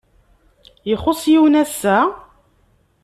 Ixuṣṣ yiwen ass-a?